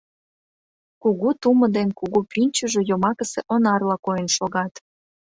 Кугу тумо ден кугу пӱнчыжӧ йомакысе онарла койын шогат.